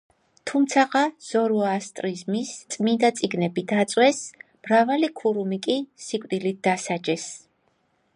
თუმცაღა ზოროასტრიზმის წმინდა წიგნები დაწვეს, მრავალი ქურუმი კი სიკვდილით დასაჯეს.